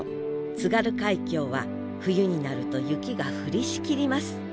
津軽海峡は冬になると雪が降りしきります。